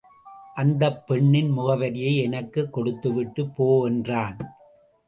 அந்தப் பெண்ணின் முகவரியை எனக்குக் கொடுத்துவிட்டுப் போ என்றான்.